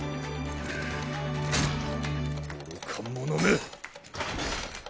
愚か者め！